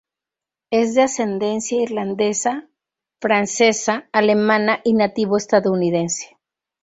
Es de ascendencia irlandesa, francesa, alemana, y nativo estadounidense.